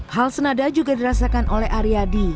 hal senada juga dirasakan oleh aryadi